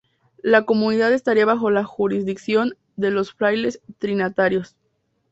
La comunidad estaría bajo la jurisdicción de los frailes trinitarios.